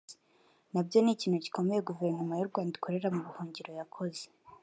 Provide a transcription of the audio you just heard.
nabyo ni ikintu gikomeye Guverinoma y’u Rwanda ikorera mu buhungiro yakoze